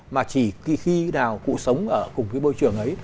mà chỉ khi nào cụ sống ở cùng cái bôi trường ấy